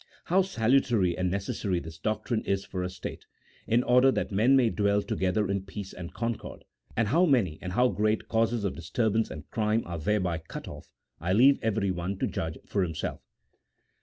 How salutary and necessary this doctrine is for a state, in order that men may dwell together in peace and concord ; and how many and how great causes of disturbance and crime are thereby cut off, I leave everyone to judge for himseK !